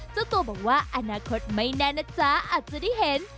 เจ้าตัวบอกว่าอนาคตไม่แน่นะจ๊ะอาจจะได้เห็น